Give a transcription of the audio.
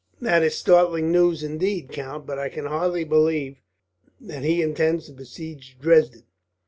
"That is startling news indeed, count; but I can hardly believe that he intends to besiege Dresden.